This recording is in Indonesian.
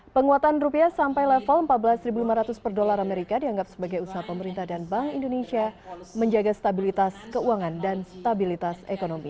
penguatan rupiah sampai level empat belas lima ratus per dolar amerika dianggap sebagai usaha pemerintah dan bank indonesia menjaga stabilitas keuangan dan stabilitas ekonomi